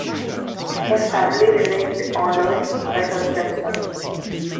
Her family remained honored by her stepson.